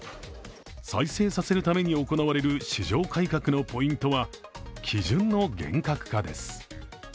再生させるために行われる市場改革のポイントは基準の厳格化です。